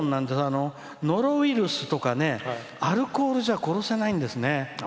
ノロウイルスとかアルコールじゃ殺せないんですね。